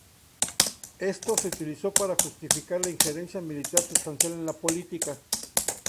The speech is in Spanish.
Esto se utilizó para justificar la injerencia militar sustancial en la política.